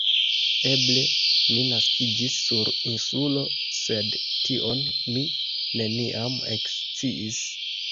Eble mi naskiĝis sur Insulo, sed tion mi neniam eksciis.